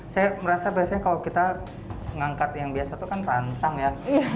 saya merasa biasanya kalau kita ngangkat yang biasa itu kan rantang ya